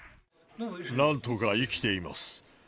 なんとか生きています。